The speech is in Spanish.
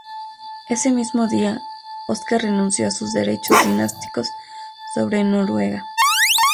Ese mismo día, Óscar renunció a sus derechos dinásticos sobre Noruega.